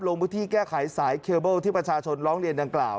ลงพื้นที่แก้ไขสายเคเบิลที่ประชาชนร้องเรียนดังกล่าว